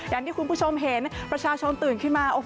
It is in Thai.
อย่างที่คุณผู้ชมเห็นประชาชนตื่นขึ้นมา